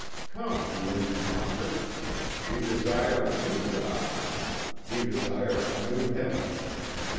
Come, illusion mongers, we desire a new God. We desire a new Heaven.